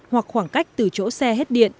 hoặc khoảng cách từ chỗ xe hết điện